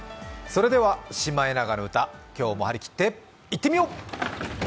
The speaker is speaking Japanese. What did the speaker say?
それでは「シマエナガの歌」、今日も張りきっていってみよう。